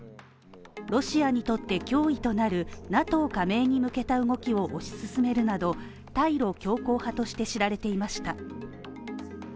ロシアにとって脅威となるＮＡＴＯ加盟に向けた動きを推し進めるなど対ロ強硬派として知られていました。